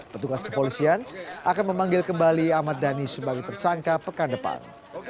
petugas kepolisian akan memanggil kembali ahmad dhani sebagai tersangka pekan depan